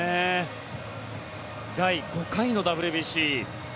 第５回のＷＢＣ。